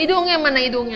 idungnya mana idungnya